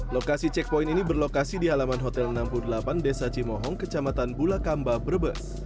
lokasi checkpoint ini berlokasi di halaman hotel enam puluh delapan desa cimohong kecamatan bulakamba brebes